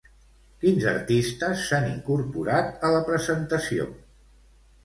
Quins artistes s'han incorporat a la presentació?